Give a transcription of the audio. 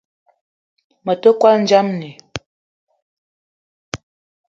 Me te kwal ndjamni